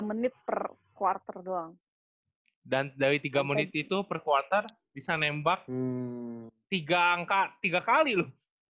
menit per quarter doang dan dari tiga menit itu per quarter bisa nembak tiga angka tiga kali loh